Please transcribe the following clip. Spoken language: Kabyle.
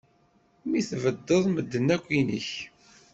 Mi tbeddeḍ medden akk yinek.